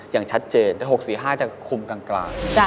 อย่างชัดเจนแต่๖๔๕จะคุมกลาง